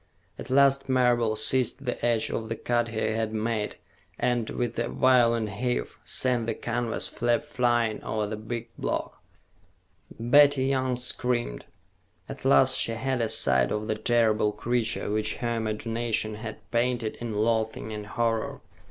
At last Marable seized the edge of the cut he had made and, with a violent heave, sent the canvas flap flying over the big block. Betty Young screamed. At last she had a sight of the terrible creature which her imagination had painted in loathing and horror.